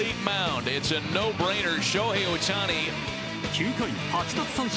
９回８奪三振。